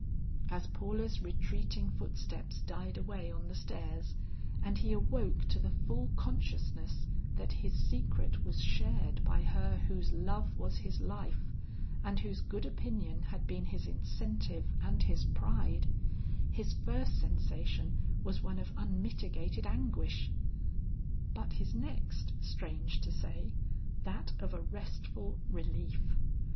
As Paula's retreating footsteps died away on the stairs, and he awoke to the full consciousness that his secret was shared by her whose love was his life, and whose good opinion had been his incentive and his pride, his first sensation was one of unmitigated anguish, but his next, strange to say, that of a restful relief.